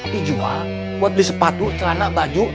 dijual buat beli sepatu celana baju